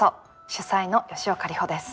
主宰の吉岡里帆です。